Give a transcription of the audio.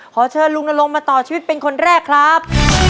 ขอเชิญลุงนลงมาต่อชีวิตเป็นคนแรกครับ